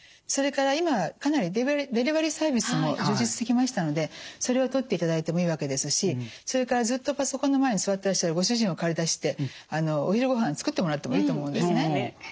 それから今かなりデリバリーサービスも充実してきましたのでそれをとっていただいてもいいわけですしそれからずっとパソコンの前に座ってらっしゃるご主人を駆り出してお昼ごはん作ってもらってもいいと思うんですね。